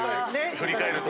振り返ると。